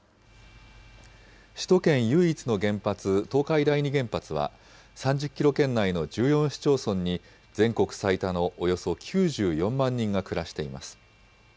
首都圏唯一の原発、東海第二原発は３０キロ圏内の１４市町村に、全国最多のおよそ９４万人が暮らしています。